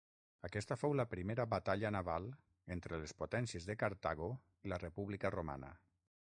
Aquesta fou la primera batalla naval entre les potències de Cartago i la República Romana.